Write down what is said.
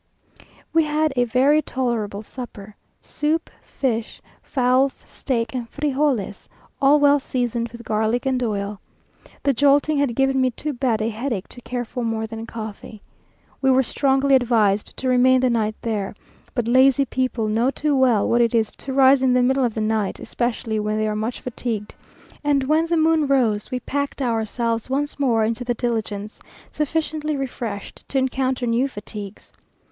We had a very tolerable supper; soup, fish, fowls, steak, and frijoles, all well seasoned with garlic and oil. The jolting had given me too bad a headache to care for more than coffee. We were strongly advised to remain the night there, but lazy people know too well what it is to rise in the middle of the night, especially when they are much fatigued; and when the moon rose, we packed ourselves once more into the diligence, sufficiently refreshed to encounter new fatigues.